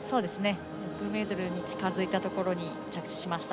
６ｍに近づいたところに着地しました。